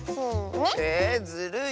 えずるい！